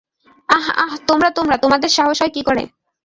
আহ-আহ, তোমরা, তোমরা, তোমাদের সাহস হয় কী করে?